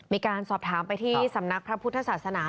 มีการสอบถามไปที่สำนักพระพุทธศาสนา